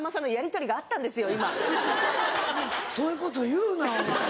そういうこと言うなお前。